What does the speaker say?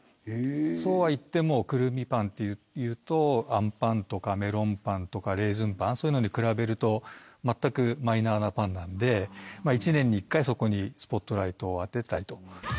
そうはいってもくるみパンというとあんパンとかメロンパンとかレーズンパンそういうのに比べると全くマイナーなパンなので１年に１回そこにスポットライトを当てたいと。